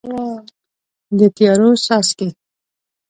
د تیارو څاڅکي